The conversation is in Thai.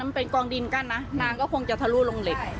มันเป็นกองดินกั้นนะนางก็คงจะทะลุลงเหล็ก